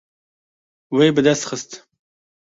Wê bi dest xist.